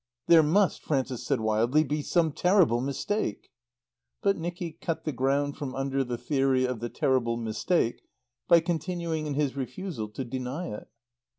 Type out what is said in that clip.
"There must," Frances said wildly, "be some terrible mistake." But Nicky cut the ground from under the theory of the terrible mistake by continuing in his refusal to deny it.